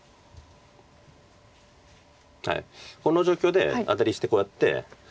はいこの状況でアタリしてこうやって。